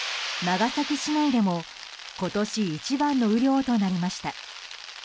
長崎市内でも今年一番の雨量となりました。